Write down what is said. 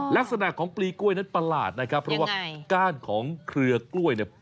ลักษณะของปลีกล้วยนั้นประหลาดนะครับเพราะว่าก้านของเครือกล้วยเนี่ย